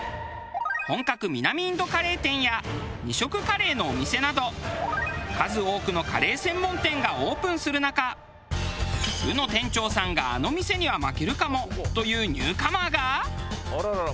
本格南インドカレー店や２色カレーのお店など数多くのカレー専門店がオープンする中「流。」の店長さんが「あの店には負けるかも」というニューカマーが。